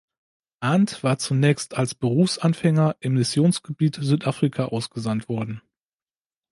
Arndt war zunächst als Berufsanfänger im Missionsgebiet Südafrika ausgesandt worden.